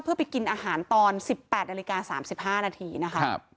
เพื่อไปกินอาหารตอน๑๘นาฬิกา๓๕นาทีนะคะ